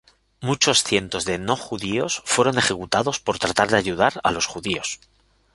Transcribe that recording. Muchos cientos de no judíos fueron ejecutados por tratar de ayudar a los judíos.